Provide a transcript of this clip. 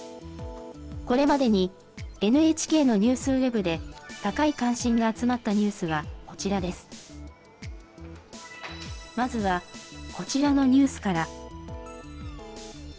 これまでにＮＨＫのニュースウェブで高い関心が集まったニュースはこちらです。